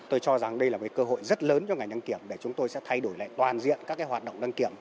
tôi cho rằng đây là một cơ hội rất lớn cho ngành đăng kiểm để chúng tôi sẽ thay đổi lại toàn diện các hoạt động đăng kiểm